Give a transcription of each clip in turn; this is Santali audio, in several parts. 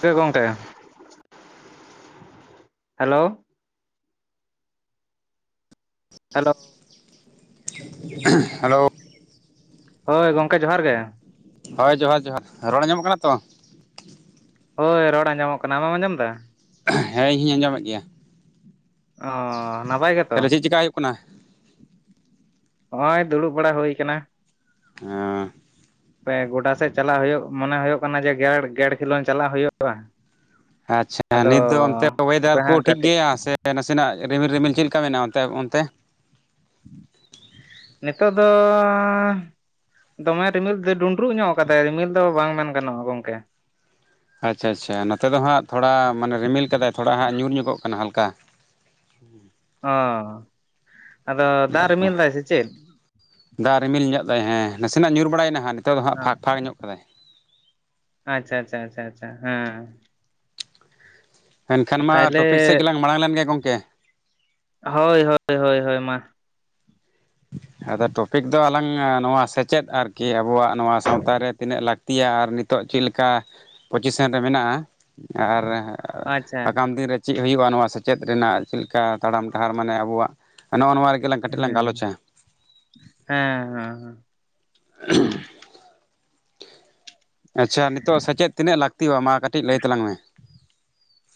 ᱪᱮᱜ ᱜᱚᱝᱠᱮ᱾ Hello, hello. ᱦᱮᱞᱳ, ᱦᱳᱭ ᱜᱚᱝᱠᱮ ᱡᱚᱦᱟᱨ ᱜᱮ᱾ ᱦᱳᱭ ᱡᱚᱦᱟᱨ ᱡᱚᱦᱟᱨ ᱨᱚᱲ ᱟᱸᱡᱚᱢᱚᱜ ᱠᱟᱱᱟ ᱛᱚ᱾ ᱦᱳᱭ ᱨᱚᱲ ᱟᱸᱡᱚᱢᱚᱜ ᱠᱟᱱᱟ᱾ ᱟᱢᱮᱢ ᱟᱸᱡᱚᱢ ᱫᱟ? ᱦᱮᱸ ᱤᱧ ᱦᱚᱧ ᱟᱸᱡᱚᱢᱮᱫ ᱜᱮᱭᱟ᱾ ᱚ ᱱᱟᱯᱟᱭ ᱜᱮᱛᱚ ᱛᱟᱦᱞᱮ ᱪᱮᱫ ᱪᱮᱠᱟ ᱦᱩᱭᱩᱜ ᱠᱟᱱᱟ? ᱦᱚᱜ-ᱚᱭ ᱫᱩᱲᱩᱵ ᱵᱟᱲᱟ ᱦᱩᱭ ᱠᱟᱱᱟ᱾ ᱦᱮᱸᱻ ᱯᱮ ᱜᱚᱰᱟ ᱥᱮᱫ ᱪᱟᱞᱟᱜ ᱦᱩᱭᱩᱜ ᱢᱚᱱᱮ ᱦᱩᱭᱩᱜ ᱠᱟᱱᱟ ᱡᱮ ᱜᱮᱰ ᱜᱮᱰ ᱠᱷᱮᱞᱳᱰ ᱪᱟᱞᱟᱜ ᱦᱩᱭᱩᱜ᱾ ᱟᱪᱪᱷᱟ ᱱᱤᱛ ᱫᱚ ᱚᱱᱛᱮ ᱚᱭᱮᱫᱟᱨ ᱦᱟᱯᱮ ᱠᱚ ᱦᱟᱸᱜ ᱴᱷᱤᱠ ᱜᱟᱛᱮᱜ ᱜᱮᱭᱟ ᱥᱮ ᱱᱟᱥᱮᱱᱟᱜ ᱨᱤᱢᱤᱞ ᱨᱤᱢᱤᱞ ᱪᱮᱫ ᱞᱮᱠᱟ ᱢᱮᱱᱟᱜ-ᱟ ᱚᱱᱛᱮ ᱚᱱᱛᱮ? ᱱᱤᱛᱚᱜ ᱫᱚᱻ ᱫᱚᱢᱮ ᱨᱤᱢᱤᱞ ᱫᱚ ᱰᱩᱸᱰᱨᱩᱜ ᱧᱚᱜ ᱠᱟᱫᱟᱭ ᱨᱤᱢᱤᱞ ᱫᱚ ᱵᱟᱝ ᱢᱮᱱ ᱜᱟᱱᱚᱜ-ᱟ ᱜᱚᱝᱠᱮ᱾ ᱟᱪᱪᱷᱟ ᱟᱪᱪᱷᱟ ᱱᱚᱛᱮ ᱫᱚ ᱦᱟᱸᱜ ᱛᱷᱚᱲᱟ ᱢᱟᱱᱮ ᱨᱤᱢᱤᱞ ᱠᱟᱫᱟᱭ ᱛᱷᱚᱲᱟ ᱦᱟᱸᱜ ᱧᱩᱨ ᱧᱚᱜᱚᱜ ᱠᱟᱱᱟ ᱦᱟᱞᱠᱟ᱾ [unintelligible] ᱚ ᱟᱫᱚ ᱫᱟᱜ ᱨᱤᱢᱤᱞ ᱫᱟᱭ ᱥᱮ ᱪᱮᱫ? ᱫᱟᱜ ᱨᱤᱢᱤᱞ ᱧᱚᱜ ᱫᱟᱭ ᱦᱮᱸ ᱱᱟᱥᱮᱱᱟᱜ ᱧᱩᱨ ᱵᱟᱲᱟᱭᱱᱟ ᱦᱟᱜ ᱱᱤᱛᱚᱜ ᱫᱚ ᱦᱟᱸᱜ ᱯᱷᱟᱠ-ᱯᱷᱟᱠ ᱧᱚᱜ ᱠᱟᱫᱟᱭ᱾ ᱟᱪᱪᱷᱟ ᱟᱪᱪᱷᱟ ᱟᱪᱪᱷᱟ ᱟᱪᱪᱷᱟ ᱦᱮᱸ᱾ ᱮᱱᱠᱷᱟᱱ ᱢᱟ ᱛᱟᱦᱚᱞᱮ ᱴᱚᱯᱤᱠ ᱥᱮᱫ ᱜᱮᱞᱟᱝ ᱢᱟᱲᱟᱝ ᱞᱮᱱᱜᱮ ᱜᱚᱢᱠᱮ᱾ ᱦᱳᱭ ᱦᱳᱭ ᱦᱳᱭ ᱦᱳᱭ ᱢᱟ᱾ ᱟᱫᱚ ᱴᱚᱯᱤᱠ ᱫᱚ ᱟᱞᱟᱝ ᱱᱚᱣᱟ ᱥᱮᱪᱮᱫ ᱟᱨᱠᱤ ᱟᱵᱚᱣᱟᱜ ᱱᱚᱣᱟ ᱥᱟᱶᱛᱟ ᱨᱮ ᱛᱤᱱᱟᱹᱜ ᱞᱟᱹᱠ ᱛᱤᱭᱟ ᱟᱨ ᱱᱤᱛᱚᱜ ᱪᱮᱫ ᱞᱮᱠᱟ ᱯᱚᱪᱤᱥᱮᱱ ᱨᱮ ᱢᱮᱱᱟᱜ-ᱟ᱾ ᱟᱨ ᱟᱪᱪᱷᱟ ᱟᱜᱟᱢ ᱫᱤᱱ ᱨᱮ ᱪᱮᱫ ᱦᱩᱭᱩᱜ-ᱟ ᱱᱚᱣᱟ ᱥᱮᱪᱮᱫ ᱨᱮᱱᱟᱜ ᱪᱮᱫ ᱞᱮᱠᱟ ᱛᱟᱲᱟᱢ ᱰᱟᱦᱟᱨ ᱢᱟᱱᱮ ᱟᱵᱚᱣᱟᱜ ᱱᱚᱜ-ᱚ ᱱᱚᱣᱟ ᱨᱮᱜᱮ᱾ ᱞᱟᱝ ᱦᱩᱸ ᱠᱟᱹᱴᱤᱡ ᱦᱮᱸ ᱞᱟᱝ ᱜᱟᱞᱚᱪᱟ ᱦᱮᱸ ᱦᱮᱸ᱾ [unintelligible] ᱟᱪᱪᱷᱟ ᱱᱤᱛᱚᱜ ᱥᱮᱪᱮᱫ ᱛᱤᱱᱟᱹᱜ ᱞᱟᱹᱠᱛᱤᱭ-ᱟ ᱢᱟ ᱠᱟᱹᱴᱤᱡ ᱞᱟᱹᱭ ᱛᱟᱞᱟᱝ ᱢᱮ?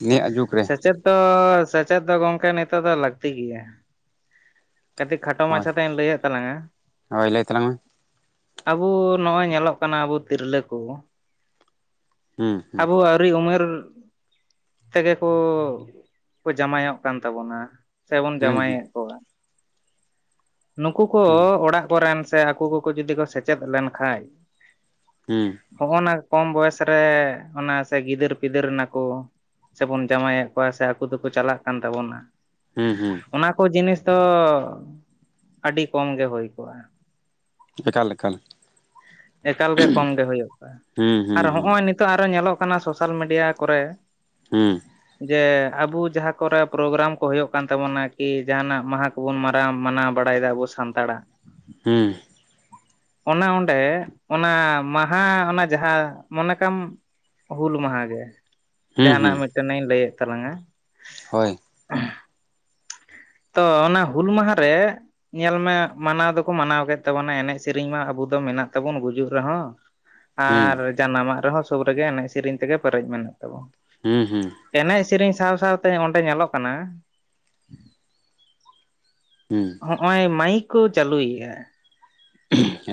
ᱱᱤᱭᱟᱹ ᱡᱩᱜᱽ ᱨᱮ ᱥᱮᱪᱮᱫ ᱫᱚ ᱥᱮᱪᱮᱫ ᱫᱚ ᱜᱚᱝᱠᱮ ᱱᱤᱛᱚᱜ ᱫᱚ ᱞᱟᱹᱠᱛᱤ ᱜᱮᱭᱟ᱾ ᱠᱟᱹᱴᱤᱡ ᱠᱷᱟᱴᱚ ᱦᱳᱭ ᱢᱟᱪᱷᱟ ᱛᱮᱧ ᱞᱟᱹᱭᱮᱫ ᱛᱟᱞᱟᱝᱟ᱾ ᱦᱳᱭ ᱞᱟᱹᱭ ᱛᱟᱞᱟᱝ ᱢᱮ ᱟᱵᱚ ᱱᱚᱜ-ᱚᱭ ᱧᱮᱞᱚᱜ ᱠᱟᱱᱟ ᱟᱵᱚ ᱛᱤᱨᱞᱟᱹ ᱠᱚ, ᱦᱩᱸ ᱦᱩᱸ ᱟᱵᱚ ᱦᱩᱰᱤᱧ ᱩᱢᱮᱨ ᱛᱮᱜᱮ ᱠᱚ ᱡᱟᱢᱟᱭᱚᱜ ᱠᱟᱱ ᱛᱟᱵᱚᱱᱟ᱾ ᱥᱮᱵᱚᱱ ᱦᱩᱸ ᱡᱟᱢᱟᱭᱮᱫ ᱦᱩᱸ ᱠᱚᱣᱟ᱾ ᱱᱩᱠᱩ ᱠᱚ ᱚᱲᱟᱜ ᱠᱚᱨᱮᱱ ᱥᱮ ᱟᱠᱩ ᱠᱚᱠᱚ ᱡᱩᱫᱤ ᱠᱚ ᱥᱮᱪᱮᱫ ᱞᱮᱱᱠᱷᱟᱡ᱾ ᱦᱩᱸ ᱦᱚᱜ-ᱱᱟ ᱠᱚᱢ ᱵᱚᱭᱮᱥ ᱨᱮ ᱚᱱᱟ ᱥᱮ ᱜᱤᱫᱟᱹᱨ ᱯᱤᱫᱟᱹᱨ ᱱᱟᱠᱚ ᱥᱮᱵᱚᱱ ᱡᱟᱶᱟᱭᱮᱫ ᱠᱚᱣᱟ ᱥᱮ ᱟᱠᱚ ᱛᱮᱠᱚ ᱪᱟᱞᱟᱜ ᱠᱟᱱ ᱛᱟᱵᱚᱱᱟ᱾ ᱦᱩᱸ ᱦᱩᱸ᱾ ᱚᱱᱟ ᱠᱚ ᱡᱤᱱᱤᱥ ᱫᱚ ᱟᱹᱰᱤ ᱠᱚᱢ ᱜᱮ ᱦᱩᱭ ᱠᱚᱜ-ᱟ᱾ ᱮᱠᱟᱞ ᱮᱠᱟᱞ᱾ ᱮᱠᱟᱞ ᱜᱮ ᱠᱚᱢ ᱜᱮ ᱦᱩᱭᱩᱜ-ᱟ ᱦᱩᱸ ᱦᱩᱸ ᱟᱨ ᱦᱩᱸ ᱦᱚᱜ-ᱚᱭ ᱱᱤᱛᱚᱜ ᱟᱨᱚ ᱧᱮᱞᱚᱜ ᱠᱟᱱᱟ ᱥᱳᱥᱟᱞ ᱢᱤᱰᱤᱭᱟ ᱠᱚᱨᱮ᱾ ᱦᱩᱸ᱾ ᱡᱮ ᱟᱵᱚ ᱡᱟᱦᱟᱸ ᱠᱚᱨᱮ ᱯᱨᱳᱜᱨᱟᱢ ᱠᱚ ᱦᱩᱭᱩᱜ ᱠᱟᱱ ᱛᱟᱵᱚᱱᱟ ᱠᱤ ᱡᱟᱦᱟᱱᱟᱜ ᱢᱟᱦᱟ ᱠᱚᱵᱚᱱ ᱢᱟᱨᱟᱣ ᱢᱟᱱᱟᱣ ᱵᱟᱲᱟᱭᱮᱫᱟ ᱟᱵᱚ ᱥᱟᱱᱛᱟᱲᱟᱜ᱾ ᱦᱩᱸ᱾ ᱚᱱᱟ ᱚᱰᱮ, ᱚᱱᱟ ᱢᱟᱦᱟ ᱚᱱᱟ ᱡᱟᱦᱟᱸ ᱢᱚᱱᱮ ᱠᱟᱜᱟᱢ ᱦᱩᱞ ᱢᱟᱦᱟ ᱜᱮ᱾ ᱦᱩᱸ ᱡᱟᱦᱟᱱᱟᱜ ᱦᱩᱸ ᱢᱤᱫᱴᱮᱱ ᱤᱧ ᱞᱟᱹᱭᱮᱫ ᱛᱟᱞᱟᱝᱟ᱾ ᱦᱳᱭ ᱛᱚ ᱚᱱᱟ ᱦᱩᱞ ᱢᱟᱦᱟ ᱨᱮ ᱧᱮᱞ ᱢᱮ ᱢᱟᱱᱟᱣ ᱫᱚᱠᱚ ᱢᱟᱱᱟᱣ ᱠᱮᱫ ᱛᱟᱵᱚᱱᱟ ᱮᱱᱮᱡ ᱥᱮᱨᱮᱧ ᱢᱟ ᱟᱵᱚ ᱫᱚ ᱢᱮᱱᱟᱜ ᱛᱟᱵᱚᱱ ᱜᱩᱡᱩᱜ ᱨᱮᱦᱚᱸ᱾ ᱦᱩᱸ ᱟᱨ ᱡᱟᱱᱟᱢᱟᱜ ᱨᱮᱦᱚᱸ ᱥᱩᱨ ᱨᱮᱜᱮ ᱮᱱᱮᱡ ᱥᱮᱨᱮᱧ ᱛᱮᱜᱮ ᱯᱮᱨᱮᱡ ᱢᱮᱱᱟᱜ ᱛᱟᱵᱚᱱᱟ᱾ ᱦᱩᱸ ᱦᱩᱸ᱾ ᱮᱱᱮᱡ ᱥᱮᱨᱮᱧ ᱥᱟᱶ ᱥᱟᱶ ᱛᱮ ᱚᱸᱰᱮ ᱧᱮᱞᱚᱜ ᱠᱟᱱᱟ᱾ ᱦᱩᱸ᱾ ᱦᱚᱜᱼᱚᱭ ᱢᱟᱭᱤᱠ ᱠᱚ ᱪᱟᱹᱞᱩᱭᱮᱫᱼᱟ᱾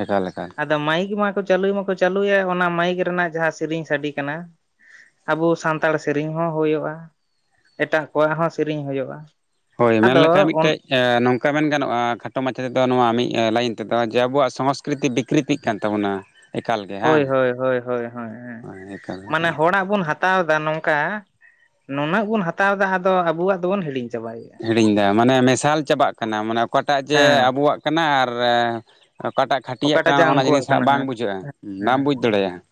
ᱮᱠᱟᱞ ᱮᱠᱟᱞ ᱟᱫᱚ ᱢᱟᱭᱤᱠ ᱢᱟᱠᱚ ᱪᱟᱹᱞᱩ ᱢᱟᱠᱚ ᱪᱟᱹᱞᱩᱭᱮᱫ ᱚᱱᱟ ᱢᱟᱭᱤᱠ ᱨᱮᱱᱟᱜ ᱡᱟᱦᱟᱸ ᱥᱮᱨᱮᱧ ᱥᱟᱰᱤ ᱠᱟᱱᱟ ᱟᱵᱚ ᱥᱟᱱᱛᱟᱲ ᱥᱮᱨᱮᱧ ᱦᱚᱸ ᱦᱩᱭᱩᱜᱼᱟ ᱮᱴᱟᱜ ᱠᱚᱣᱟᱜ ᱦᱚᱸ ᱥᱮᱨᱮᱧ ᱦᱩᱭᱩᱜᱼᱟ᱾ ᱦᱳᱭ ᱢᱮᱱᱞᱠᱷᱟᱡ ᱢᱤᱫᱴᱮᱡ ᱮᱸ ᱱᱚᱝᱠᱟ ᱢᱮᱱ ᱜᱟᱱᱚᱜᱼᱟ ᱠᱷᱟᱴᱚ ᱢᱟᱪᱷᱟ ᱛᱮᱫᱚ ᱱᱚᱣᱟ ᱢᱤᱫ ᱞᱟᱭᱤᱱ ᱛᱮᱫᱚ ᱟᱵᱚᱣᱟᱜ ᱥᱚᱝᱥᱠᱨᱤᱛᱤ ᱵᱤᱠ ᱠᱤᱨᱤᱛᱤᱜ ᱠᱟᱱ ᱛᱟᱵᱚᱱᱟ ᱮᱠᱟᱞ ᱜᱮ ᱦᱳᱭ ᱦᱟᱸᱜ ᱦᱳᱭ ᱦᱳᱭ ᱦᱳᱭ ᱦᱳᱭ ᱚ ᱦᱮᱸ ᱮᱠᱟᱞ ᱢᱟᱱᱮ ᱮᱠᱟᱞ ᱦᱚᱲᱟᱜ ᱵᱚᱱ ᱦᱟᱛᱟᱣ ᱮᱫᱟ ᱱᱚᱝᱠᱟ ᱱᱩᱱᱟᱹᱜ ᱵᱚᱱ ᱦᱟᱛᱟᱣ ᱮᱫᱟ ᱟᱫᱚ ᱟᱵᱚᱣᱟᱜ ᱫᱚᱵᱚᱱ ᱦᱤᱲᱤᱧ ᱪᱟᱵᱟᱭᱮᱜᱼᱟ᱾ ᱦᱤᱲᱤᱧ ᱫᱟ ᱢᱟᱱᱮ ᱢᱮᱥᱟᱞ ᱪᱟᱵᱟᱜ ᱠᱟᱱᱟ ᱢᱟᱱᱮ ᱚᱠᱟᱴᱟᱜ ᱡᱮ ᱦᱮᱸ ᱟᱵᱚᱣᱟᱜ ᱠᱟᱱᱟ ᱟᱨ ᱚᱠᱟᱴᱟᱜ ᱠᱷᱟᱹᱴᱤᱭᱟᱜ ᱚᱠᱟᱴᱟᱜ ᱡᱟ ᱠᱟᱱᱟ ᱚᱱᱟ ᱩᱱᱠᱩᱣᱟᱜ ᱡᱤᱱᱤᱥ ᱦᱟᱸᱜ ᱠᱟᱱᱟ ᱵᱟᱝ ᱵᱩᱡᱷᱟᱹᱜᱼᱟ ᱵᱟᱢ ᱦᱮᱸ ᱵᱩᱡᱽ ᱫᱟᱲᱮᱭᱟᱜᱼᱟ ᱾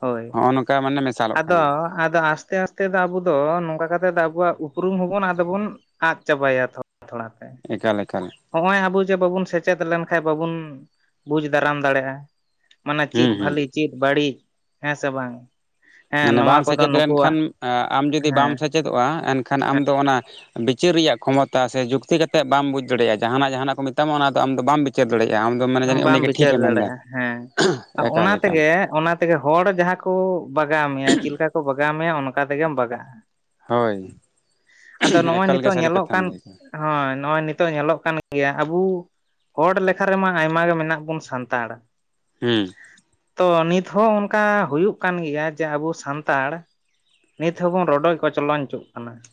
ᱦᱳᱭ᱾ ᱱᱚᱜᱼᱚᱭ ᱱᱚᱠᱟ ᱢᱟᱱᱮ ᱢᱮᱥᱟᱞᱚᱜ᱾ ᱟᱫᱚ ᱟᱫᱚ ᱟᱥᱛᱮ ᱟᱥᱛᱮ ᱫᱚ ᱟᱵᱚ ᱫᱚ ᱱᱚᱝᱠᱟ ᱠᱟᱛᱮ ᱟᱵᱚᱣᱟᱜ ᱩᱯᱨᱩᱢ ᱦᱚᱸᱵᱚᱱ ᱟᱫᱚ ᱵᱚᱱ ᱟᱫ ᱪᱟᱵᱟᱭᱟ ᱛᱷᱚᱲᱟ ᱛᱷᱚᱲᱟ ᱛᱮ ᱾ ᱮᱠᱟᱞ ᱮᱠᱟᱞ ᱦᱚᱸᱜᱼᱚᱭ ᱟᱵᱚ ᱡᱮ ᱵᱟᱵᱚᱱ ᱥᱮᱪᱮᱫ ᱞᱮᱱᱠᱷᱟᱱ ᱵᱟᱵᱚᱱ ᱵᱩᱡᱽ ᱫᱟᱨᱟᱢ ᱫᱟᱲᱮᱜᱼᱟ᱾ ᱢᱟᱱᱮ ᱪᱮᱫ ᱦᱩᱸ ᱦᱩᱸ ᱵᱷᱟᱞᱤ ᱪᱮᱫ ᱵᱟᱹᱲᱤᱡ ᱦᱮᱸ ᱥᱮ ᱵᱟᱝ ᱦᱮᱸ ᱢᱟᱱᱮ ᱱᱚᱣᱟ ᱵᱟᱢ ᱠᱚᱫᱚ ᱥᱮᱪᱮᱫ ᱱᱩᱠᱩᱣᱟᱜ ᱞᱮᱱᱠᱷᱟᱱ ᱮᱸ ᱟᱢ ᱡᱩᱫᱤ ᱵᱟᱢ ᱦᱮᱸ ᱥᱮᱪᱮᱫᱚᱜᱼᱟ ᱮᱱᱠᱷᱟᱱ ᱟᱢ ᱫᱚ ᱚᱱᱟ᱾ ᱵᱤᱪᱟᱹᱨ ᱨᱮᱭᱟᱜ ᱠᱷᱚᱢᱚᱛᱟ ᱥᱮ ᱡᱩᱠᱛᱤ ᱠᱟᱛᱮᱫ ᱵᱟᱢ ᱵᱩᱡᱽ ᱫᱟᱲᱮᱭᱟᱜᱼᱟ ᱡᱟᱦᱟᱸᱱᱟᱜ ᱡᱟᱦᱟᱸᱱᱟᱜ ᱠᱚ ᱢᱮᱛᱟᱢᱟ ᱚᱱᱟ ᱫᱚ ᱟᱢ ᱫᱚ ᱵᱟᱢ ᱵᱤᱪᱟᱹᱨ ᱫᱟᱲᱮᱭᱟᱜᱼᱟ ᱟᱢ ᱫᱚᱢ ᱢᱮᱱᱟ ᱡᱟᱹᱱᱤᱡ ᱵᱟᱢ ᱩᱱᱤ ᱜᱮ ᱵᱤᱪᱟᱹᱨ ᱴᱷᱤᱠᱮ ᱢᱮᱱᱫᱟ ᱫᱟᱲᱮᱜᱼᱟ ᱦᱮᱸ ᱚᱱᱟ ᱮᱠᱟᱞ ᱛᱮ ᱮᱠᱟᱞ ᱜᱮ ᱚᱱᱟ ᱛᱮᱜᱮ ᱦᱚᱲ ᱡᱟᱦᱟᱸ ᱠᱚ ᱵᱟᱜᱟᱣ ᱢᱮᱭᱟ ᱪᱮᱫ ᱞᱮᱠᱟ ᱠᱚ ᱵᱟᱜᱟᱣ ᱢᱮᱭᱟ ᱚᱱᱠᱟ ᱛᱮᱜᱮᱢ ᱵᱟᱜᱼᱟ ᱦᱳᱭ ᱾ ᱟᱫᱚ ᱱᱚᱜᱼᱚᱭ ᱮᱠᱟᱞ ᱜᱮ ᱱᱤᱛᱚᱜ ᱥᱟᱹᱨᱤ ᱧᱮᱞᱚᱜ ᱠᱟᱛᱷᱟᱢ ᱠᱟᱱ ᱞᱟᱹᱭ ᱠᱮᱫᱟ ᱦᱳᱭ ᱱᱚᱜᱼᱚᱭ ᱱᱤᱛᱚᱜ ᱧᱮᱞᱚᱜ ᱠᱟᱱ ᱜᱮᱭᱟ ᱟᱵᱩ ᱦᱚᱲ ᱞᱮᱠᱷᱟ ᱨᱮᱢᱟ᱾ ᱟᱭᱢᱟ ᱜᱮ ᱢᱮᱱᱟᱜ ᱵᱚᱱ ᱥᱟᱱᱛᱟᱲ ᱾ ᱦᱩᱸ ᱛᱚ ᱱᱤᱛ ᱦᱚᱸ ᱚᱱᱠᱟ ᱦᱩᱭᱩᱜ ᱠᱟᱱ ᱜᱮᱭᱟ ᱡᱮ ᱟᱵᱚ ᱥᱟᱱᱛᱟᱲ ᱱᱤᱛ ᱦᱚᱸᱵᱚᱱ ᱨᱚᱰᱚᱡ ᱠᱚᱪᱞᱚᱱᱪᱚᱜ ᱠᱟᱱᱟ ᱾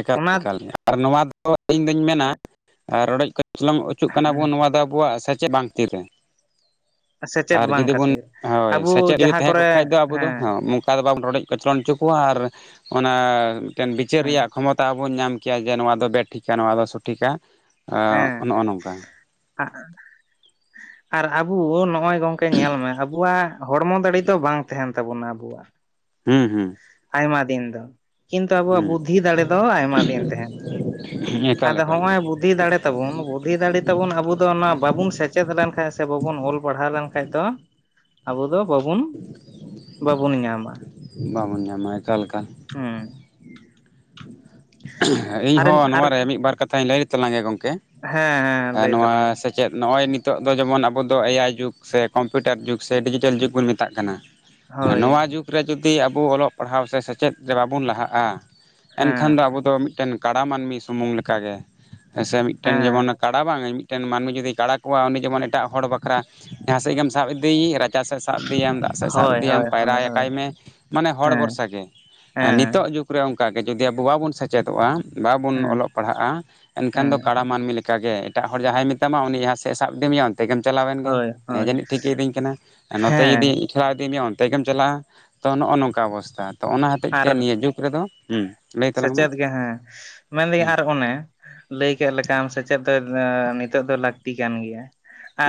ᱮᱠᱟᱞ ᱮᱠᱟᱞ ᱟᱨ ᱱᱚᱣᱟ ᱫᱚ ᱤᱧ ᱫᱩᱧ ᱢᱮᱱᱟ ᱨᱚᱰᱚᱡ ᱠᱚᱪᱚᱞᱚᱢ ᱚᱪᱚᱜ ᱦᱮᱸ ᱠᱟᱱᱟ ᱵᱚᱱ ᱱᱚᱣᱟ ᱫᱚ ᱟᱵᱚ ᱟᱵᱚᱣᱟᱜ ᱥᱮᱪᱮᱫ ᱵᱟᱝ ᱛᱤᱨᱮ ᱥᱮᱪᱮᱫ ᱟᱨ ᱵᱟᱝ ᱡᱩᱫᱤ ᱵᱚᱱ ᱠᱷᱟᱹᱛᱤᱨ ᱦᱳᱭ ᱟᱵᱚ ᱥᱮᱪᱮᱫ ᱡᱩᱫᱤ ᱡᱟᱦᱟᱸ ᱛᱟᱦᱮᱸ ᱠᱚᱨᱮ ᱠᱚᱜ ᱠᱷᱟᱡ ᱫᱚ ᱟᱵᱚ ᱫᱚ ᱦᱮᱸ ᱚᱝᱠᱟ ᱫᱚ ᱵᱟᱢ ᱨᱚᱰᱚᱡ ᱠᱚᱪᱞᱚᱱ ᱚᱪᱚ ᱠᱚᱣᱟ ᱟᱨ ᱚᱱᱟ ᱢᱤᱫᱴᱮᱱ ᱵᱤᱪᱟᱹᱨ ᱦᱮᱸ ᱨᱮᱭᱟᱜ ᱠᱷᱚᱢᱚᱛᱟ ᱵᱚᱱ ᱧᱟᱢ ᱠᱮᱭᱟ ᱡᱮ ᱱᱚᱣᱟ ᱫᱚ ᱵᱟᱸ ᱴᱷᱤᱠᱟ ᱱᱚᱣᱟ ᱫᱚ ᱥᱚᱴᱷᱤᱠᱟ ᱦᱮᱸ ᱮᱸ ᱱᱚᱜᱼᱚᱭ ᱱᱚᱝᱠᱟ᱾ ᱟᱨ ᱟᱵᱩ ᱱᱚᱜᱼᱚᱭ ᱜᱚᱝᱠᱮ ᱯᱮ ᱧᱮᱞ ᱢᱮ ᱟᱵᱚᱣᱟᱜ ᱦᱚᱲᱢᱚ ᱫᱟᱲᱮ ᱫᱚ ᱵᱟᱝ ᱛᱟᱦᱮᱱ ᱛᱟᱵᱚᱱᱟ ᱟᱵᱚᱣᱟᱜ ᱦᱮᱸ ᱦᱩᱸ ᱟᱭᱢᱟ ᱫᱤᱱ ᱫᱚ᱾ ᱠᱤᱱᱛᱩ ᱟᱵᱚᱣᱟᱜ ᱦᱩᱸ ᱵᱩᱫᱽᱫᱷᱤ ᱫᱟᱲᱮ ᱫᱚ ᱟᱭᱢᱟ ᱫᱤᱱ ᱛᱟᱦᱮᱱ ᱮᱠᱟᱞ ᱟᱫᱚ ᱮᱠᱟᱞ ᱦᱚᱸᱜᱼᱚᱭ ᱵᱩᱫᱽᱫᱷᱤ ᱫᱟᱲᱮ ᱛᱟᱵᱚᱱ ᱵᱩᱫᱽᱫᱷᱤ ᱫᱟᱲᱮ ᱛᱟᱵᱚᱱ ᱟᱵᱩ ᱫᱚ ᱚᱱᱟ ᱵᱟᱵᱚᱱ ᱥᱮᱪᱮᱫ ᱞᱮᱱᱠᱷᱟᱡ ᱥᱮ ᱵᱟᱵᱚᱱ ᱚᱞ ᱯᱟᱲᱦᱟᱣ ᱞᱮᱱᱠᱷᱟᱡ ᱫᱚ ᱟᱵᱚ ᱫᱚ ᱵᱟᱵᱩᱱ ᱵᱟᱵᱚᱱ ᱧᱟᱢᱟ᱾ ᱵᱟᱵᱚᱱ ᱧᱟᱢᱟ ᱮᱠᱟᱞ ᱮᱠᱟᱞ ᱦᱩᱸ ᱤᱧ ᱟᱨ ᱦᱚᱸ ᱟᱨ ᱱᱚᱣᱟᱨᱮ ᱢᱤᱫ ᱵᱟᱨ ᱠᱟᱛᱷᱟᱧ ᱞᱟᱹᱭ ᱛᱟᱞᱟᱝ ᱜᱮᱭᱟ ᱜᱚᱢᱠᱮ ᱦᱮᱸ ᱦᱮᱸ ᱮᱸ ᱞᱟᱹᱭ ᱱᱚᱣᱟ ᱛᱟᱞᱟᱝ ᱢᱮ ᱥᱮ ᱪᱮᱫ ᱱᱚᱜᱼᱚᱭ ᱱᱤᱛᱚᱜ ᱫᱚ ᱡᱮᱢᱚᱱ ᱟᱵᱚ ᱫᱚ ᱮ ᱟᱭ ᱡᱩᱜᱽ ᱥᱮ ᱠᱚᱢᱯᱤᱭᱩᱴᱟᱨ ᱡᱩᱜᱽ ᱥᱮ ᱰᱤᱡᱤᱴᱮᱞ ᱡᱩᱜᱽ ᱵᱚᱱ ᱢᱮᱛᱟᱜ ᱠᱟᱱᱟ᱾ ᱦᱮᱸ ᱦᱳᱭ ᱱᱚᱣᱟ ᱡᱩᱜᱽ ᱨᱮ ᱡᱩᱚᱫᱤ ᱟᱵᱚ ᱚᱞᱚᱜ ᱯᱟᱲᱦᱟᱣ ᱥᱮ ᱥᱮᱪᱮᱫ ᱨᱮ ᱵᱟᱵᱚᱱ ᱞᱟᱦᱟᱜᱼᱟ ᱾ ᱮᱱᱠᱷᱟᱱ ᱦᱮᱸ ᱫᱚ ᱟᱵᱚ ᱫᱚ ᱢᱤᱫᱴᱮᱱ ᱠᱟᱲᱟ ᱢᱟᱹᱱᱢᱤ ᱥᱩᱢᱩᱝ ᱞᱮᱠᱟᱜᱮ ᱦᱮᱸ ᱥᱮ ᱢᱤᱫᱴᱮᱱ ᱦᱮᱸ ᱡᱮᱢᱚᱱᱟ ᱠᱟᱲᱟ ᱵᱟᱝᱟᱹ ᱢᱤᱫᱴᱮᱱ ᱢᱟᱹᱱᱢᱤ ᱡᱩᱫᱤᱭ ᱠᱟᱲᱟᱟ ᱠᱚᱣᱟ ᱩᱱᱤ ᱡᱮᱢᱚᱱ ᱮᱴᱟᱜ ᱦᱚᱲ ᱵᱟᱠᱷᱨᱟ ᱡᱟᱦᱟᱸ ᱥᱮᱫ ᱜᱮᱢ ᱥᱟᱵ ᱤᱫᱤᱭ ᱪᱟ ᱥᱮᱫ ᱥᱟᱵ ᱤᱫᱤᱭᱟᱢ ᱫᱟᱜ ᱥᱮᱫ ᱥᱟᱵ ᱦᱳᱭ ᱤᱫᱤᱭᱟᱢ ᱦᱳᱭ ᱦᱳᱭ ᱦᱳᱭ ᱯᱟᱭᱨᱟᱠᱟᱭ ᱢᱮ ᱢᱟᱱᱮ ᱦᱚᱲ ᱦᱮᱸ ᱵᱷᱚᱨᱥᱟ ᱜᱮ ᱮᱸ ᱦᱮᱸ ᱱᱤᱛᱚᱜ ᱡᱩᱜᱽ ᱨᱮ ᱚᱱᱠᱟᱜᱮ ᱡᱩᱫᱤ ᱟᱵᱚ ᱵᱟᱵᱚᱱ ᱥᱮᱪᱮᱫᱚᱜᱼᱟ ᱵᱟᱵᱚᱱ ᱦᱮᱸ ᱚᱞᱚᱜ ᱯᱟᱲᱦᱟᱜᱼᱟ ᱮᱱᱠᱷᱟᱱ ᱦᱮᱸ ᱫᱚ ᱠᱟᱲᱟ ᱢᱟᱹᱱᱢᱤ ᱞᱮᱠᱟ ᱚᱱᱠᱟᱜᱮ ᱮᱴᱟᱜ ᱦᱚᱲ ᱡᱟᱦᱟᱸᱭ ᱢᱮᱛᱟᱢᱟ ᱩᱱᱤ ᱡᱟᱦᱟᱸ ᱥᱮᱫ ᱮ ᱥᱟᱵ ᱤᱫᱤ ᱢᱮᱭᱟ ᱚᱱᱛ ᱚᱱᱛᱮ ᱜᱮᱢ ᱪᱟᱞᱟᱣᱮᱱ ᱜᱮᱸ ᱦᱳᱭ ᱦᱳᱭ ᱡᱟᱹᱱᱤᱡ ᱴᱷᱤᱠᱮ ᱤᱫᱤᱧ ᱠᱟᱱᱟ ᱱᱚᱛᱮ ᱡᱩᱫᱤ ᱦᱮᱸ ᱪᱟᱞᱟᱣ ᱤᱫᱤ ᱢᱮᱭᱟ ᱚᱱᱛᱮ ᱜᱮᱢ ᱪᱟᱞᱟᱜᱼᱟ ᱛᱚ ᱱᱚᱜᱼᱚ ᱱᱚᱝᱠᱟ ᱚᱵᱚᱥᱛᱷᱟ᱾ ᱛᱚ ᱚᱱᱟ ᱦᱚᱛᱮᱡ ᱟᱨ ᱛᱮ ᱱᱤᱭᱟᱹ ᱡᱩᱜᱽ ᱨᱮᱫᱚ ᱞᱟᱹᱭ ᱛᱟᱞᱟᱝ ᱢᱮ? ᱥᱮᱪᱮᱫ ᱜᱮ ᱦᱮᱸ ᱢᱮᱱᱫᱟᱹᱧ ᱦᱩᱸ ᱟᱨ ᱚᱱᱮᱼᱼ ᱞᱟᱹᱭ ᱠᱮᱫ ᱞᱮᱠᱟᱢ ᱥᱮᱪᱮᱫ ᱫᱚ ᱱᱤᱛᱚᱜ ᱫᱚ ᱞᱟᱹᱠᱛᱤ ᱠᱟᱱ ᱜᱮᱭᱟ᱾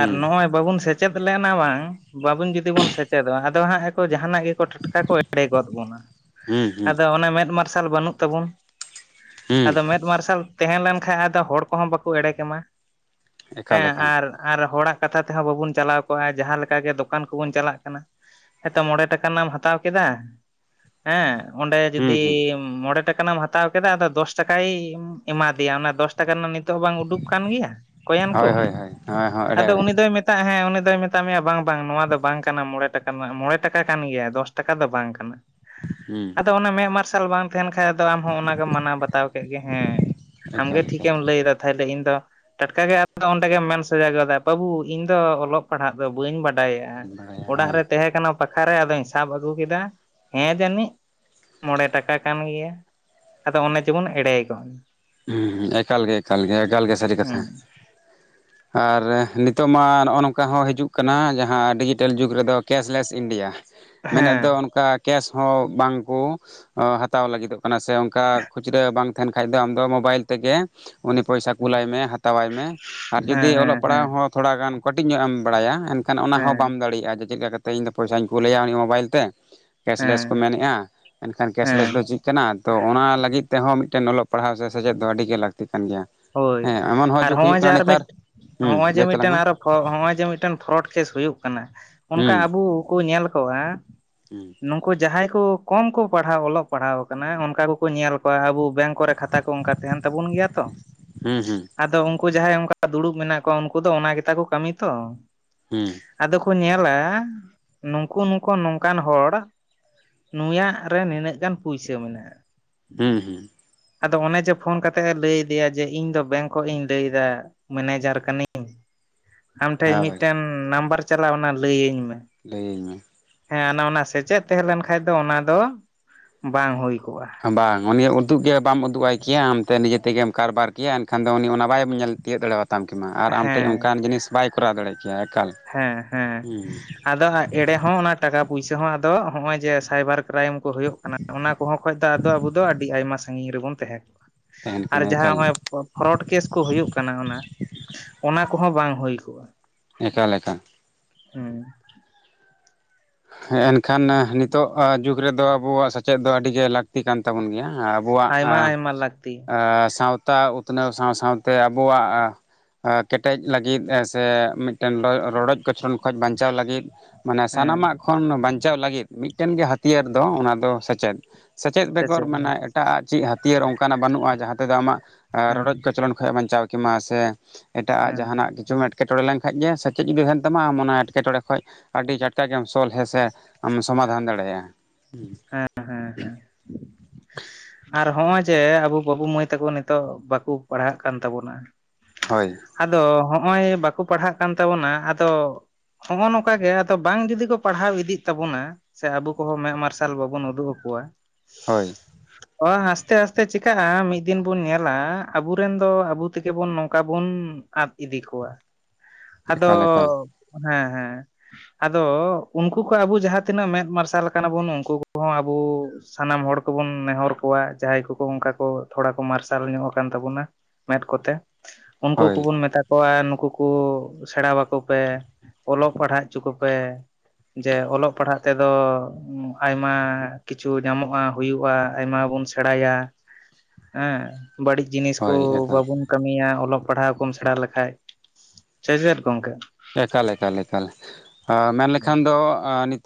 ᱟᱨ ᱱᱚᱜᱼᱚᱭ ᱵᱟᱵᱚᱱ ᱥᱮᱪᱼᱼ ᱥᱮᱪᱮᱫ ᱞᱮᱱᱟ ᱵᱟᱝ ᱵᱟᱵᱚᱱ ᱡᱩᱫᱤ ᱵᱚᱱ ᱥᱮᱪᱮᱫᱚᱜ ᱟᱫᱚ ᱦᱟᱸᱜ ᱟᱠᱚ ᱡᱟᱦᱟᱱᱟᱜ ᱜᱮᱠᱚ ᱴᱷᱚᱴᱼᱼ ᱴᱟᱴ ᱠᱟ ᱠᱚ ᱮᱲᱮ ᱜᱚᱫ ᱵᱚᱱᱟ᱾ ᱦᱩᱸ ᱦᱩᱸ ᱟᱫᱚ ᱚᱱᱟ ᱢᱮᱫ ᱢᱟᱨᱥᱟᱞ ᱵᱟᱹᱱᱩᱜ ᱛᱟᱵᱚᱱ ᱦᱩᱸ ᱟᱫᱚ ᱢᱮᱫᱼᱼ ᱢᱟᱨᱥᱟᱞ ᱛᱟᱦᱮᱸ ᱞᱮᱱᱠᱷᱟᱱ ᱟᱫᱚ ᱦᱚᱲ ᱠᱚᱦᱚᱸ ᱵᱟᱠᱚ ᱮᱲᱮ ᱠᱮᱢᱟ ᱮᱠᱟᱞ ᱦᱮᱸ ᱮᱠᱟᱞ ᱟᱨᱼᱼ ᱟᱨ ᱦᱚᱲᱟᱜ ᱠᱟᱛᱷᱟ ᱛᱮᱦᱚᱸ ᱵᱟᱵᱚᱱ ᱪᱟᱞᱟᱣ ᱠᱚᱜᱼᱟ ᱡᱟᱦᱟᱸ ᱞᱮᱠᱟᱜᱮ ᱫᱚᱠᱟᱱ ᱠᱚᱵᱚᱱ ᱪᱟᱞᱟᱜ ᱠᱟᱱᱟ᱾ ᱦᱮᱸᱛᱚ ᱢᱚᱬᱮ ᱴᱟᱠᱟ ᱨᱮᱱᱟᱜ ᱮᱢ ᱦᱟᱛᱟᱣ ᱠᱮᱫᱟ ᱦᱮᱸ ᱚᱸᱰᱮ ᱦᱩᱸ ᱦᱩᱸ ᱡᱩᱫᱤᱼᱼ ᱢᱚᱬᱮ ᱴᱟᱠᱟ ᱨᱮᱱᱟᱜ ᱮᱢ ᱦᱟᱛᱟᱣ ᱠᱮᱫᱟ ᱟᱫᱚ ᱫᱚᱥ ᱴᱟᱠᱟᱭ ᱮᱢᱟ ᱫᱮᱭᱟ ᱚᱱᱟ ᱫᱚᱥ ᱴᱟᱠᱟ ᱨᱮᱱᱟᱜ ᱱᱤᱛᱼᱼ ᱛᱚ ᱵᱟᱝ ᱩᱰᱩᱠ ᱠᱟᱱ ᱜᱮᱭᱟ ᱠᱚᱭᱮᱱ ᱦᱳᱭ ᱠᱚ ᱦᱳᱭ ᱦᱳᱭ ᱦᱳᱭ ᱦᱳᱭ ᱮᱲᱮ ᱟᱫᱚ ᱮᱲᱮ ᱩᱱᱤ ᱫᱚᱭ ᱢᱮᱼᱼ ᱟᱜ ᱦᱮᱸ ᱩᱱᱤ ᱫᱚᱭ ᱢᱮᱛᱟᱜ ᱢᱮᱭᱟ ᱵᱟᱝ ᱵᱟᱝ ᱱᱚᱣᱟ ᱫᱚ ᱵᱟᱝ ᱠᱟᱱᱟ ᱢᱚᱬᱮ ᱴᱟᱠᱟ ᱢᱚᱬᱮ ᱴᱟᱠᱟ ᱠᱟᱱ ᱜᱮᱭᱟ ᱫᱚᱥ ᱴᱟᱠᱟ ᱫᱚ ᱵᱟᱝ ᱠᱟᱱᱟ᱾ ᱦᱮᱸ᱾ ᱟᱫᱚ ᱚᱱᱟ ᱢᱮᱫ ᱢᱟᱨᱥᱟᱞ ᱵᱟᱝ ᱛᱟᱦᱮᱱ ᱠᱷᱟᱡ ᱟᱫᱚ ᱟᱢ ᱦᱚᱸ ᱚᱱᱟᱜᱮ ᱢᱟᱱᱟᱣ ᱵᱟᱛᱟᱣ ᱠᱮᱫ ᱜᱮ ᱦᱮᱸ ᱟᱢᱜᱮ ᱮᱠᱟᱞ ᱮᱠᱟᱞ ᱴᱷᱤᱠᱮᱢ ᱞᱟᱹᱭ ᱫᱟ᱾ ᱛᱟᱦᱚᱞᱮ ᱤᱧ ᱫᱚ ᱴᱟᱴᱠᱟ ᱜᱮ ᱟᱫᱚ ᱚᱸᱰᱮ ᱜᱮᱢ ᱢᱮᱱ ᱥᱚᱡᱟ ᱜᱚᱫᱟ ᱵᱟᱹᱵᱩ ᱤᱧ ᱫᱚ ᱚᱞᱚᱜ ᱯᱟᱲᱦᱟᱜ ᱫᱚ ᱵᱟᱹᱧ ᱵᱟᱰᱼᱼ ᱰᱟᱭᱟ ᱵᱟᱲᱟᱭᱟ ᱚᱲᱟᱜ ᱦᱳᱭ ᱨᱮ ᱛᱟᱦᱮᱸ ᱠᱟᱱᱟ ᱯᱟᱠᱷᱟᱨ ᱨᱮ ᱟᱫᱚᱧ ᱥᱟᱵ ᱟᱹᱜᱩ ᱠᱮᱫᱟ᱾ ᱦᱮᱸ ᱡᱟᱹᱱᱤᱡ ᱢᱚᱬᱮ ᱴᱟᱠᱟ ᱠᱟᱱ ᱜᱮᱭᱟ ᱟᱫᱚ ᱚᱱᱮ ᱡᱮᱵᱚᱱ ᱮᱲᱮ ᱜᱚᱫ ᱱᱟ᱾ ᱦᱮᱸ ᱮᱠᱟᱞ ᱜᱮ ᱮᱠᱟᱞ ᱜᱮ ᱮᱠᱟᱞ ᱜᱮ ᱥᱟᱹᱨᱤ ᱠᱟᱛᱷᱟ᱾ [inaudible] ᱟᱨ ᱱᱤᱛᱚᱜ ᱢᱟ ᱱᱚᱜᱼᱚ ᱱᱚᱝᱠᱟ ᱦᱚᱸ ᱦᱤᱡᱩᱜ ᱠᱟᱱᱟ ᱡᱟᱦᱟᱸ ᱰᱤᱡᱤᱴᱮᱞ ᱡᱩᱜᱽ ᱨᱮᱫᱚ ᱠᱮᱥᱞᱮᱥ ᱤᱱᱰᱤᱭᱟ᱾ ᱢᱮᱱᱮᱫ ᱦᱮᱸ ᱫᱚ ᱚᱱᱠᱟ ᱠᱮᱥ ᱦᱚᱸ ᱵᱟᱝᱠᱚ ᱦᱟᱛᱟᱣ ᱞᱟᱹᱜᱤᱫᱚᱜᱼᱼ ᱠᱟᱱᱟ ᱥᱮ ᱚᱱᱠᱟ ᱠᱷᱩᱪᱨᱟᱹ ᱵᱟᱝ ᱛᱟᱦᱮᱱ ᱠᱷᱟᱡ ᱫᱚ ᱟᱢᱫᱚ ᱢᱳᱵᱟᱭᱤᱞ ᱛᱮᱜᱮᱼᱼ ᱩᱱᱤ ᱯᱚᱭᱥᱟ ᱦᱮᱸ ᱠᱩᱞᱟᱭ ᱢᱮ ᱦᱟᱛᱟᱣᱟᱭ ᱢᱮ ᱟᱨ ᱦᱮᱸ ᱡᱩᱫᱤ ᱚᱞᱚᱜ ᱦᱮᱸ ᱯᱟᱲᱦᱟᱜ ᱦᱚᱸ ᱛᱷᱚᱲᱟ ᱜᱟᱱᱼᱼ ᱠᱟᱹᱴᱤᱡ ᱧᱚᱜ ᱮᱢ ᱵᱟᱲᱟᱭᱟ ᱮᱱᱠᱷᱟᱱ ᱚᱱᱟ ᱦᱚᱸ ᱦᱮᱸ ᱵᱟᱢ ᱫᱟᱲᱮᱭᱟᱜᱼᱟ ᱡᱮ ᱪᱮᱫ ᱠᱟ ᱠᱟᱛᱮ ᱤᱧᱫᱚ ᱯᱚᱭᱥᱟᱧ ᱠᱩᱞᱮᱭᱟ ᱩᱱᱤ ᱢᱳᱵᱟᱭᱤᱞ ᱛᱮᱼᱼ ᱠᱮᱥᱞᱮᱥ ᱦᱮᱸ ᱠᱚ ᱢᱮᱱᱮᱫᱼᱟ, ᱮᱱᱠᱷᱟᱱ ᱠᱮᱥᱞᱮᱥ ᱦᱮᱸ ᱫᱚ ᱪᱮᱫ ᱠᱟᱱᱟ? ᱛᱚ ᱚᱱᱟ ᱞᱟᱹᱜᱤᱫ ᱛᱮᱦᱚᱸ ᱢᱤᱫᱴᱮᱱ ᱚᱞᱚᱜᱼᱼ ᱯᱟᱲᱦᱟᱣ ᱥᱮ ᱥᱮᱪᱮᱫ ᱫᱚ ᱟᱹᱰᱤ ᱜᱮ ᱞᱟᱹᱠᱛᱤ ᱠᱟᱱ ᱜᱮᱭᱟ᱾ ᱦᱳᱭ ᱦᱮᱸ ᱮᱢᱚᱱ ᱦᱚᱸ ᱟᱨ ᱡᱩᱜᱽ ᱦᱩᱭᱩᱜ ᱦᱚᱸᱜᱼᱚᱭ ᱡᱮ ᱠᱟᱱᱟ ᱟᱨ ᱱᱮᱛᱟᱨ ᱢᱤᱫ ᱦᱩᱸ ᱦᱚᱸᱜᱼᱚᱭ ᱡᱮ ᱞᱟᱹᱭ ᱛᱟᱞᱟᱝ ᱢᱤᱫᱴᱮᱱ ᱢᱮ ᱟᱨᱚᱼᱼ ᱦᱚᱸᱜᱼᱚᱭ ᱡᱮ ᱢᱤᱫᱴᱮᱱ ᱯᱷᱨᱚᱰ ᱠᱮᱥ ᱦᱩᱭᱩᱜ ᱠᱟᱱᱟ ᱚᱱᱠᱟ ᱟᱵᱚ ᱠᱚ ᱧᱮᱞ ᱠᱚᱜᱼᱟᱼᱼ ᱦᱩᱸ ᱱᱩᱝᱠᱩ ᱡᱟᱦᱟᱸᱭᱼᱼ ᱠᱚᱢ ᱠᱚ ᱯᱟᱲᱦᱟᱣ ᱚᱞᱚᱜ ᱯᱟᱲᱦᱟᱣ ᱠᱟᱱᱟ ᱚᱱᱠᱟ ᱠᱚᱠᱚ ᱧᱮᱞ ᱠᱚᱣᱟ ᱟᱵᱚ ᱵᱮᱝᱠ ᱠᱚᱨᱮ ᱠᱷᱟᱛᱟ ᱠᱚ ᱚᱱᱠᱟᱼᱼ ᱛᱟᱦᱮᱱ ᱛᱟᱵᱚᱱ ᱜᱮᱭᱟ ᱛᱚ᱾ ᱦᱩᱸ ᱦᱩᱸ᱾ ᱟᱫᱚ ᱩᱱᱠᱩ ᱡᱟᱦᱟᱸᱭ ᱚᱱᱠᱟ ᱫᱩᱲᱩᱵ ᱢᱮᱱᱟᱜ ᱠᱚᱣᱟ ᱩᱱᱠᱩ ᱫᱚ ᱚᱱᱟ ᱜᱮᱛᱟ ᱠᱚ ᱠᱟᱹᱢᱤ ᱛᱚ᱾ ᱦᱩᱸ᱾ ᱟᱫᱚ ᱠᱚ ᱧᱮᱞᱟ ᱱᱩᱝᱠᱩ ᱱᱩᱝᱠᱩ ᱱᱚᱝᱠᱟᱱ ᱦᱚᱲᱼᱼ ᱱᱩᱭᱟᱜ ᱨᱮ ᱱᱤᱱᱟᱹᱜ ᱜᱟᱱ ᱯᱩᱭᱥᱟᱹ ᱢᱮᱱᱟᱜᱼᱟ᱾ ᱦᱩᱸ ᱦᱩᱸ᱾ ᱟᱫᱚ ᱚᱱᱮ ᱡᱮ ᱯᱷᱳᱱ ᱠᱟᱛᱮᱜ ᱮ ᱞᱟᱹᱭᱫᱮᱭᱟ ᱡᱮ ᱤᱧ ᱫᱚ ᱵᱮᱝᱠ ᱠᱷᱚᱡ ᱤᱧ ᱞᱟᱹᱭᱫᱟ ᱢᱮᱱᱮᱡᱟᱨ ᱠᱟᱹᱱᱟᱹᱧ? ᱟᱢ ᱴᱷᱮᱡ ᱦᱳᱭ ᱢᱤᱫᱴᱮᱱ ᱱᱟᱢᱵᱟᱨ ᱪᱟᱞᱟᱜᱼᱟ ᱚᱱᱟ ᱞᱟᱹᱭᱟᱹᱧ ᱢᱮ᱾ ᱞᱟᱹᱭᱟᱹᱧ ᱢᱮ᱾ ᱦᱮᱸ ᱚᱱᱟ ᱚᱱᱟ ᱥᱮᱪᱮᱫ ᱛᱟᱦᱮᱸ ᱞᱮᱱ ᱠᱷᱟᱱᱡ ᱫᱚ ᱚᱱᱟ ᱫᱚ ᱵᱟᱝ ᱦᱩᱭ ᱠᱚᱜᱼᱟ᱾ ᱢᱮ ᱵᱟᱝ ᱩᱱᱤ ᱩᱫᱩᱜ ᱜᱮ ᱵᱟᱢ ᱩᱫᱩᱜ-ᱟᱭ ᱠᱮᱭᱟ ᱟᱢᱛᱮ ᱱᱤᱡᱮᱛᱮᱜᱮᱢ ᱠᱟᱨᱵᱟᱨ ᱠᱮᱭᱟ ᱮᱱᱠᱷᱟᱱ ᱫᱚ ᱩᱱᱤ ᱚᱱᱟ ᱵᱟᱭ ᱧᱮᱞᱼᱼ ᱛᱤᱭᱟᱹᱜ ᱫᱟᱲᱮ ᱭᱟᱛᱟᱢ ᱠᱮᱢᱟ ᱟᱨ ᱟᱢ ᱴᱷᱮᱱ ᱦᱮᱸ ᱚᱱᱠᱟᱱ ᱡᱤᱱᱤᱥ ᱵᱟᱭ ᱠᱚᱨᱟᱣ ᱫᱟᱲᱮ ᱠᱮᱭᱟ ᱮᱠᱟᱞ ᱦᱮᱸ ᱦᱮᱸ ᱦᱩᱸ ᱟᱫᱚ᱾ ᱮᱲᱮ ᱦᱚᱸ ᱚᱱᱟ ᱴᱟᱠᱟ ᱯᱩᱭᱥᱟᱹ ᱦᱚᱸ ᱟᱫᱚ ᱦᱚᱜᱼᱚᱭ ᱡᱮ ᱥᱟᱭᱵᱟᱨ ᱠᱨᱟᱭᱤᱢ ᱠᱚ ᱦᱩᱭᱩᱜ ᱠᱟᱱᱟ ᱚᱱᱟᱼᱼ ᱠᱚᱦᱚᱸ ᱠᱷᱚᱡ ᱫᱚ ᱟᱫᱚ ᱟᱵᱚ ᱫᱚ ᱟᱹᱰᱤ ᱟᱭᱢᱟ ᱥᱟᱺᱜᱤᱧ ᱨᱮᱵᱚᱱ ᱛᱟᱦᱮᱸ ᱠᱚᱜᱼᱟ᱾ ᱛᱟᱦᱮᱱ ᱟᱨ ᱠᱟᱱᱟ ᱡᱟᱦᱟᱸ ᱮᱠᱟᱞ ᱜᱮ ᱦᱚᱜᱼᱚᱭ ᱯᱷᱨᱚᱰ ᱠᱮᱥ ᱠᱚ ᱦᱩᱭᱩᱜ ᱠᱟᱱᱟ ᱚᱱᱟᱼᱼ ᱚᱱᱟ ᱠᱚᱦᱚᱸ ᱵᱟᱝ ᱦᱳᱭ ᱠᱚᱜ-ᱟ ᱮᱠᱟᱞ ᱮᱠᱟᱞ ᱦᱩᱸ᱾ ᱦᱮ ᱮᱱᱠᱷᱟᱱ ᱱᱤᱛᱚᱜ ᱡᱩᱜᱽ ᱨᱮᱫᱚ ᱟᱵᱚᱣᱟᱜ ᱥᱮᱪᱮᱫ ᱫᱚ ᱟᱹᱰᱤ ᱜᱮ ᱞᱟᱹᱠ ᱛᱤ ᱠᱟᱱ ᱛᱟᱵᱚᱱ ᱜᱮᱭᱟ ᱟᱵᱚᱣᱟᱜ ᱮ ᱟᱭᱢᱟ ᱟᱭᱢᱟ ᱞᱟᱹᱠᱛᱤ ᱮᱻ ᱥᱟᱶ ᱛᱟ ᱩᱛᱱᱟᱹᱣ ᱥᱟᱶ ᱥᱟᱶᱛᱮ ᱟᱵᱚᱣᱟᱜ ᱚ ᱠᱮᱴᱮᱡ ᱞᱟᱹᱜᱤᱫ ᱥᱮ ᱢᱤᱫᱴᱮᱱ ᱨᱚᱰᱚᱡ ᱠᱚᱪᱷᱞᱚᱱ ᱠᱷᱚᱡ ᱵᱟᱧᱪᱟᱣ ᱞᱟᱹᱜᱤᱫ ᱢᱟᱱᱮ ᱦᱮᱸ ᱥᱟᱱᱟᱢᱟᱜ ᱠᱷᱚᱱ ᱵᱟᱧᱪᱟᱣ ᱞᱟᱹᱜᱤᱫ ᱢᱤᱫᱴᱮᱱ ᱜᱮ ᱦᱟᱹᱛᱭᱟᱹᱨ ᱫᱚ ᱚᱱᱟ ᱫᱚ ᱥᱮᱪᱮᱫ ᱥᱮᱪᱮᱫ ᱥᱮ ᱵᱮᱜᱚᱨ ᱪᱮᱫ ᱦᱮᱸ ᱢᱟᱱᱮ ᱮᱴᱟᱜ ᱪᱮᱫ ᱦᱟᱹᱛᱭᱟᱹᱨ ᱚᱱᱠᱟᱱᱟᱜ ᱵᱟᱹᱱᱩᱜ-ᱟ ᱡᱟᱦᱟᱸ ᱛᱮᱫᱚ ᱟᱢᱟᱜ ᱨᱚᱰᱚᱡ ᱠᱚᱪᱞᱚᱱ ᱠᱷᱚᱱ ᱮᱢ ᱵᱟᱧᱪᱟᱣ ᱠᱮᱟ ᱥᱮ ᱮᱴᱟᱜᱟᱜ ᱦᱮᱸ ᱡᱟᱦᱱᱟᱜ ᱜᱤ ᱪᱩᱢ ᱮᱴᱠᱮᱴᱚᱬ ᱞᱮᱠᱟᱱᱡ ᱜᱮ ᱥᱮᱪᱮᱫ ᱜᱮ ᱛᱟᱦᱮᱱ ᱛᱟᱢᱟ ᱟᱢ ᱚᱱᱟ ᱮᱴᱠᱮᱴᱬᱮ ᱠᱷᱚᱱ ᱟᱹᱰᱤ ᱠᱟᱴᱠᱟᱜᱮᱢ ᱥᱚᱞᱦᱞᱮ ᱥᱮ ᱟᱢ ᱥᱚᱢᱟᱫᱷᱟᱱ ᱫᱟᱲᱮᱭᱟᱜ-ᱟ᱾ ᱦᱮᱸ ᱦᱮᱸ ᱦᱮᱸ ᱟᱨ ᱦᱚᱜ-ᱚᱭ ᱡᱮ ᱟᱵᱚ ᱵᱟᱹᱵᱩ ᱢᱟᱹᱭ ᱛᱟᱠᱚ ᱱᱤᱛᱚᱜ ᱵᱟᱠᱚ ᱯᱟᱲᱦᱟᱜ ᱠᱟᱱ ᱛᱟᱵᱚᱱᱟ᱾ ᱦᱳᱭ ᱟᱫᱚ ᱦᱚᱜ-ᱚᱭ ᱵᱟᱠᱚ ᱯᱟᱲᱦᱟᱜ ᱠᱟᱱ ᱛᱟᱵᱚᱱᱟ ᱟᱫᱚ ᱦᱚᱜ-ᱚ ᱱᱚᱝᱠᱟ ᱜᱮ ᱟᱫᱚ ᱵᱟᱝ ᱡᱩᱫᱤ ᱠᱚ ᱯᱟᱲᱦᱟᱣ ᱤᱫᱤᱜ ᱛᱟᱵᱚᱱᱟ ᱥᱮ ᱟᱵᱚ ᱠᱚᱦᱚ ᱢᱮᱫ ᱢᱟᱨᱥ ᱥᱟᱞ ᱵᱟᱵᱚᱱ ᱩᱫᱩᱜ ᱟᱠᱚᱣᱟ᱾ ᱦᱳᱭ᱾ [inaudible] ᱚ ᱟᱥᱛᱮ ᱟᱥᱛᱮ ᱪᱤᱠᱟᱹᱜ-ᱟ ᱢᱤᱫ ᱫᱤᱱ ᱵᱚᱱ ᱧᱮᱞᱟ ᱟᱵᱚᱨᱮᱱ ᱫᱚ ᱟᱵᱚ ᱛᱮᱜᱮ ᱵᱚᱱ ᱱᱚᱝᱠᱟ ᱵᱚᱱ ᱟᱫ ᱤᱫᱤ ᱠᱚᱣᱟ᱾ ᱟᱫᱚ ᱮᱠᱟᱞ ᱮᱠᱟᱞ ᱦᱮ ᱦᱮ ᱟᱫᱚ ᱩᱱᱠᱩ ᱠᱚ ᱟᱵᱚ ᱡᱟᱦᱟᱸ ᱛᱤᱱᱟᱹᱜ ᱢᱮᱫ ᱢᱟᱨᱥᱟᱞ ᱠᱟᱱᱟ ᱵᱚᱱ ᱩᱱᱠᱩ ᱠᱚᱦᱚᱸ ᱟᱵᱩ ᱥᱟᱱᱟᱢ ᱦᱚᱲ ᱠᱚᱵᱚᱱ ᱱᱮᱦᱚᱨ ᱠᱚᱣᱟ ᱡᱟᱦᱟᱸᱭ ᱠᱚᱠᱚ ᱚᱱᱠᱟ ᱠᱚ ᱛᱷᱚᱲᱟ ᱠᱚ ᱢᱟᱨᱥᱟᱞ ᱧᱚᱜ ᱟᱠᱟᱱ ᱛᱟᱵᱚᱱᱟ᱾ ᱢᱮᱫ ᱠᱚᱛᱮ ᱩᱱᱠᱩ ᱦᱳᱭ ᱠᱚᱵᱚᱱ ᱢᱮᱛᱟ ᱠᱚ ᱱᱩᱠᱩ ᱠᱚ ᱥᱮᱬᱟ ᱟᱠᱚ ᱯᱮ ᱚᱞᱚᱜ ᱯᱟᱲᱦᱟᱣ ᱦᱚᱪᱚ ᱠᱚᱯᱮ᱾ ᱡᱮ ᱚᱞᱚᱜ ᱯᱟᱲᱦᱟᱜ ᱛᱮᱫᱚ ᱟᱭᱢᱟ ᱠᱤᱪᱷᱩ ᱧᱟᱢᱚᱜ-ᱟ ᱦᱩᱭᱩᱜ-ᱟ ᱟᱭᱢᱟ ᱵᱚᱱ ᱥᱮᱬᱟᱭᱟ ᱦᱮᱸ᱾ ᱵᱟᱹᱲᱤᱡ ᱡᱤᱱᱤᱥ ᱠᱚ ᱦᱳᱭ ᱮᱠᱟᱞ ᱵᱟᱵᱩᱱ ᱠᱟᱹᱢᱤᱭᱟ ᱚᱞᱚᱜ ᱯᱟᱲᱦᱟᱣ ᱠᱚᱢ ᱥᱮᱬᱟ ᱞᱮᱠᱷᱟᱡ᱾ ᱥᱮ ᱪᱮᱫ ᱜᱚᱝᱠᱮ? ᱮᱠᱟᱞ ᱮᱠᱟᱞ ᱮᱠᱟᱞ ᱢᱮᱱᱞᱮᱠᱷᱟᱱ ᱫᱚ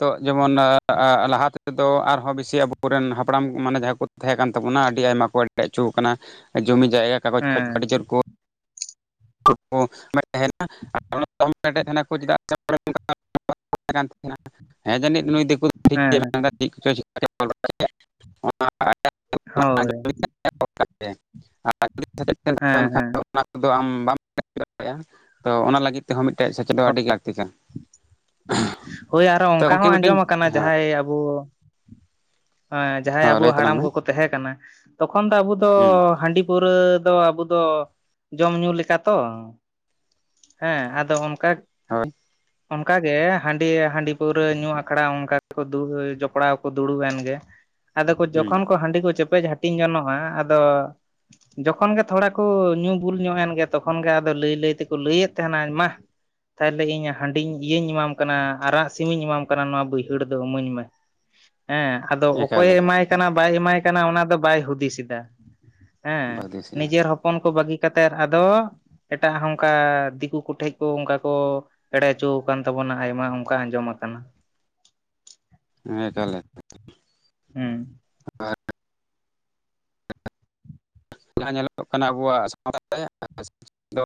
ᱛᱚᱜ ᱡᱚᱢᱚᱱ ᱞᱟᱦᱟ ᱛᱮᱫᱚ ᱟᱨᱦᱚᱸ ᱵᱤᱥᱤ ᱟᱵᱚᱨᱮᱱ ᱦᱟᱯᱲᱟᱢ ᱢᱟᱱᱮ ᱡᱟᱦᱟᱸᱭ ᱠᱚ ᱛᱟᱦᱮᱸ ᱠᱟᱱ ᱛᱟᱵᱚᱱᱟ ᱟᱹᱰᱤ ᱟᱭᱢᱟ ᱠᱚ [unintelligible] ᱦᱚᱪᱚ ᱟᱠᱟᱱᱟ ᱡᱩᱚᱢᱤ ᱡᱟᱭᱜᱟ ᱠᱟᱜᱚᱡᱽ ᱠᱷᱚᱡ ᱦᱮᱸ ᱟᱹᱰᱤ ᱡᱳᱨ ᱠᱚ [unintelligible] ᱠᱟᱱ ᱛᱟᱦᱮᱱᱟ ᱦᱮᱸ ᱡᱟᱹᱱᱤᱡ ᱱᱩᱭ ᱫᱤᱠ [unintelligible] ᱦᱮᱸ ᱦᱳᱭ ᱦᱮᱸ ᱦᱮᱸ [unintelligible] ᱟᱢ ᱵᱟᱢ [unintelligible] ᱛᱚ ᱚᱱᱟ ᱞᱟᱹᱜᱤᱫ ᱛᱮᱦᱚᱸ ᱢᱤᱫᱴᱮᱡ ᱥᱮᱪᱮᱫᱚᱜ ᱟᱹᱰᱤ ᱞᱟᱹᱠᱛᱤ ᱠᱟ᱾ ᱦᱳᱭ ᱟᱨᱚ ᱚᱱᱠᱟ ᱦᱚᱸ ᱟᱸᱡᱚᱢ ᱟᱠᱟᱱᱟ ᱡᱟᱦᱟᱸᱭ ᱟᱵᱚ ᱡᱟᱦᱟᱸᱭ ᱦᱚᱸ ᱟᱵᱚ ᱞᱟᱹᱭ ᱛᱟᱞᱟᱝ ᱦᱟᱲᱟᱢ ᱢᱮ ᱠᱚᱠᱚ ᱛᱟᱦᱮᱸ ᱠᱟᱱᱟ ᱛᱚᱠᱷᱚᱱ ᱫᱚ ᱟᱵᱚ ᱫᱚ ᱦᱩᱸ ᱦᱟᱺᱰᱤ ᱯᱩᱨᱟᱹ ᱫᱚ ᱟᱵᱚ ᱫᱚ ᱡᱚᱢ ᱧᱩ ᱞᱮᱠᱟ ᱛᱚ᱾ ᱦᱮᱸ ᱟᱫᱚ ᱚᱱᱠᱟ [unintelligible] ᱚᱱᱠᱟ ᱜᱮ ᱦᱟᱺᱰᱤ ᱦᱟᱺᱰᱤ ᱯᱟᱹᱣᱨᱟᱹ ᱧᱩ ᱟᱠᱷᱲᱟ ᱚᱱᱠᱟ ᱜᱮᱠᱚ ᱡᱚᱯᱲᱟᱣ ᱫᱩᱲᱩᱵᱮᱱ ᱜᱮ᱾ ᱟᱫᱚ ᱠᱚ ᱦᱩᱸ ᱡᱚᱠᱷᱚᱱ ᱠᱚ ᱦᱟᱺᱰᱤ ᱠᱚ ᱪᱮᱯᱮᱡ ᱦᱟᱹᱴᱤᱧ ᱡᱚᱱᱚᱜ-ᱟ ᱟᱫᱚ ᱡᱚᱠᱷᱚᱱ ᱜᱮ ᱛᱷᱚᱲᱟ ᱠᱚ ᱧᱩ ᱵᱩᱞ ᱧᱚᱜ ᱮᱱᱜᱮ ᱛᱚᱠᱷᱚᱱ ᱜᱮ ᱟᱫᱚ ᱞᱟᱹᱭ ᱞᱟᱹᱭ ᱛᱮᱠ ᱞᱟᱹᱭᱮᱫ ᱛᱟᱦᱮᱱᱟ ᱢᱟ ᱛᱟᱦᱚᱞᱮ ᱤᱧ ᱦᱟᱺᱰᱤᱧ ᱤᱭᱟᱹᱧ ᱮᱢᱟᱢ ᱠᱟᱱᱟ ᱟᱨᱟᱜ ᱥᱤᱢᱤᱧ ᱮᱢᱟᱢ ᱠᱟᱱᱟ ᱱᱚᱣᱟ ᱵᱟᱹᱭᱦᱟᱹᱲ ᱫᱚ ᱤᱢᱟᱹᱧ ᱢᱮ᱾ [inaudible] ᱦᱮᱸ ᱟᱫᱚ ᱮᱠᱟᱞ ᱚᱠᱚᱭᱮ ᱮᱠᱟᱞ ᱮᱢᱟᱭ ᱮᱠᱟᱞ ᱠᱟᱱᱟ ᱵᱟᱭ ᱮᱢᱟᱭ ᱠᱟᱱᱟ ᱚᱱᱟ ᱫᱚ ᱵᱟᱭ ᱦᱩᱫᱤᱥ ᱮᱫᱟ᱾ ᱦᱮᱸ ᱵᱟᱹᱫᱤᱥᱮᱜᱼᱟ ᱱᱤᱡᱮᱨ ᱦᱚᱯᱚᱱ ᱠᱚ ᱵᱟᱹᱜᱤ ᱠᱟᱛᱮᱫ ᱟᱫᱚ ᱮᱴᱟᱜ ᱦᱚᱸ ᱚᱝᱠᱟ ᱫᱤᱠᱩ ᱠᱚᱴᱷᱮᱡ ᱠᱚ ᱚᱱᱠᱟ ᱠᱚ ᱮᱲᱮ ᱦᱚᱪᱚ ᱟᱠᱟᱱ ᱛᱟᱵᱚᱱᱟ ᱟᱭᱢᱟ ᱚᱱᱠᱟ ᱟᱸᱡᱚᱢ ᱟᱠᱟᱱᱟ᱾ ᱦᱮᱸ ᱛᱟᱦᱞᱮ᱾ ᱦᱩᱸ᱾ ᱡᱟᱸᱦᱟ ᱧᱮᱞᱚᱜᱚᱜ ᱠᱟᱱᱟ ᱟᱵᱚᱣᱟᱜ ᱥᱟᱶᱛᱟ [unintelligible] ᱫᱚ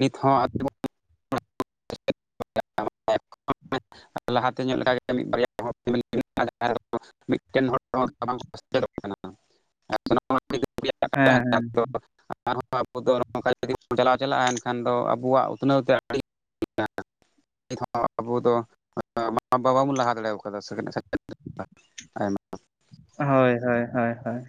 ᱱᱤᱛ ᱦᱚᱸ [unintelligible] [unintelligible] ᱞᱟᱦᱟᱛᱮ ᱧᱚᱜ ᱞᱮᱠᱟ ᱢᱤᱫ ᱵᱟᱨᱭᱟ [unintelligible] ᱟᱨ ᱢᱤᱫᱴᱮᱱ ᱦᱚᱲ ᱵᱟᱝᱚᱜ [unintelligible] ᱠᱟᱱᱟ᱾ ᱦᱮᱸ [unintelligible] ᱫᱚ ᱾ ᱟᱨᱦᱚᱸ ᱟᱵᱚ ᱫᱚ ᱱᱚᱝᱠᱟ ᱡᱩᱫᱤ ᱵᱚᱱ ᱪᱟᱞᱟᱣ ᱪᱟᱞᱟᱜ-ᱟ ᱮᱱᱠᱷᱟᱱ ᱫᱚ ᱟᱵᱚᱣᱟᱜ ᱩᱛᱱᱟᱹᱣ ᱛᱮ ᱟᱹᱰᱤ ᱱᱤᱛ ᱦᱚᱸ ᱟᱵᱚ ᱫᱚ ᱢᱟ ᱵᱟᱵᱚᱱ ᱞᱟᱦᱟ ᱫᱟᱲᱮ ᱠᱟᱫᱟ ᱥᱮ ᱟᱭᱢᱟ᱾ ᱦᱳᱭ ᱦᱳᱭ ᱦᱳᱭ ᱦᱳᱭ᱾